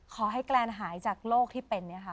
ขอให้แกลนหายจากโรคที่เป็น